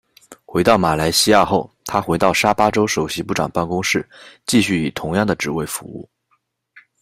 回到马来西亚后，他回到沙巴州首席部长办公室继续以同样的职位服务。